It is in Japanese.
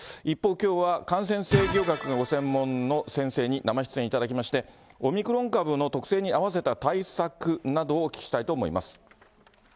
一方、きょうは感染制御学がご専門の先生に生出演いただきまして、オミクロン株の特性に合わせた対策などをお聞きしたいと思います。